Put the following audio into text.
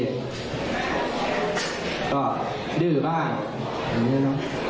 ก็ดื้อบ้างอย่างนี้เนอะ